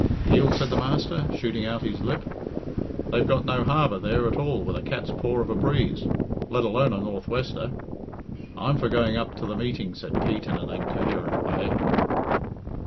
"Peel?" said the master, shooting out his lip. "They've got no harbour there at all with a cat's paw of a breeze, let alone a northwester." "I'm for going up to the meeting," said Pete in an incoherent way.